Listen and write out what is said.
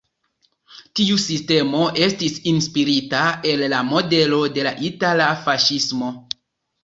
Tiu sistemo estis inspirita el la modelo de la itala faŝismo.